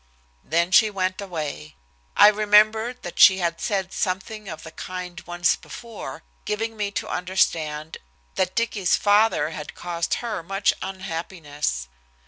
Then she went away. I remembered that she had said something of the kind once before, giving me to understand that Dicky's father had caused her much unhappiness.